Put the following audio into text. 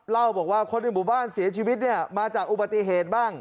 เล่าบอกว่าคนในหมู่บ้านเสียชีวิตเนี่ยมาจากอุบัติเหตุบ้าง